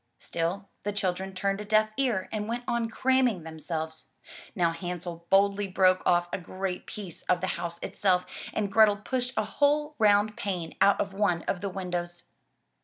'' Still the children turned a deaf ear and went on cramming themselves. Now Hansel boldly broke off a great piece of the house itself and Grethel pushed a whole round pane out of one of the windows.